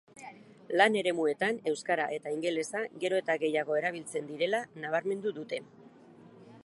Lan-eremuetan euskara eta ingelesa gero eta gehiago erabiltzen direla nabarmendu dute